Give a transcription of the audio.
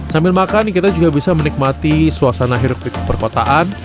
sambil makan kita juga bisa menikmati suasana hierotik perkotaan